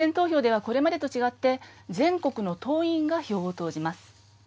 決選投票ではこれまでと違って、全国の党員が票を投じます。